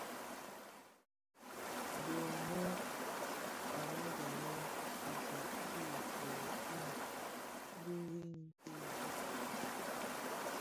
Dho anë a më ghalèn, fidyab fi ikōō, kiň biriň ki Europa.